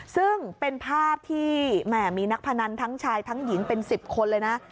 ซึ่งเป็นภาพที่แหมมีนักพนันทั้งชายทั้งหญิงเป็น๑๐คนเลยนะ